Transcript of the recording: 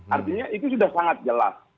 artinya itu sudah sangat jelas